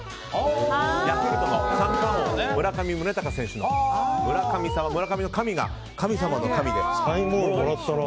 ヤクルトの三冠王の村上宗隆選手の村上の「上」が神様の「神」で。